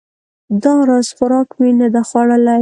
دا راز خوراک مې نه ده خوړلی